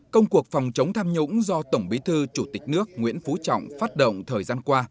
công cuộc phòng chống tham nhũng do tổng bí thư chủ tịch nước nguyễn phú trọng phát động thời gian qua